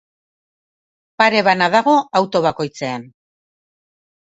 Pare bana dago auto bakoitzean.